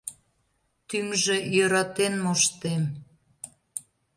Тÿҥжö – йöратен моштем.